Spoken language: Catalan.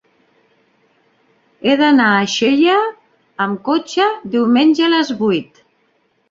He d'anar a Xella amb cotxe diumenge a les vuit.